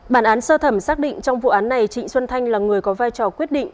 bản án sơ thẩm xác định trong vụ án này trịnh xuân thanh là người có vai trò quyết định